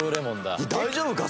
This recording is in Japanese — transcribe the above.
大丈夫か？